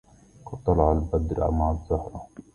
قد طلع البدر مع الزهره